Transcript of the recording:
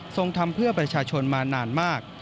ทำเพื่อประชาชนมานานมาก